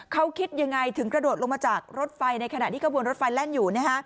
เขาคิดยังไงถึงกระโดดลงมาจากรถไฟในขณะที่กระบวนรถไฟแล่นอยู่